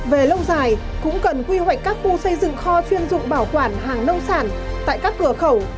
về lâu dài cũng cần quy hoạch các khu xây dựng kho chuyên dụng bảo quản hàng nông sản tại các cửa khẩu